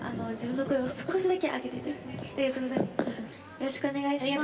よろしくお願いします。